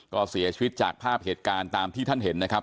ก็เสียชีวิตจากภาพเหตุการณ์ตามที่ท่านเห็นนะครับ